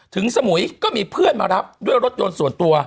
สมุยก็มีเพื่อนมารับด้วยรถยนต์ส่วนตัว